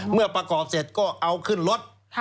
เมื่อประกอบเสร็จก็เอาขึ้นรถ